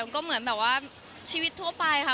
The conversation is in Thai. ก็เหมือนแบบว่าชีวิตทั่วไปค่ะ